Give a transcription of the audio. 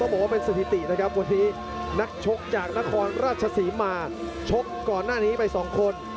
บอกว่าเป็นสถิตินะครับวันนี้นักชกจากนครราชศรีมาชกก่อนหน้านี้ไปสองคน